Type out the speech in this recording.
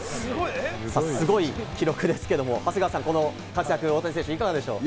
すごい記録ですけれど、長谷川さん、この大谷選手いかがでしょう？